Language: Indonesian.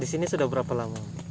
di sini sudah berapa lama